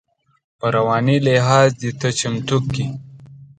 په رواني لحاظ دې ته چمتو کړي.